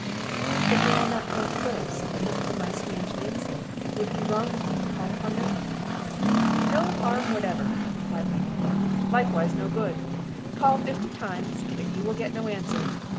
"But may I not go first and look for my strange namesake? Would it be wrong of me to call upon her?" "No harm whatever," replied my companion; "likewise no good. Call fifty times, but you will get no answer.